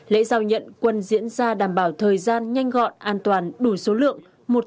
lễ giao nhận quân diễn ra đảm bảo thời gian nhanh gọn an toàn đủ số lượng